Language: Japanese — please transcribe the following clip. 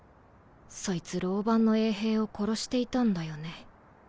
そいつ牢番の衛兵を殺していたんだよね。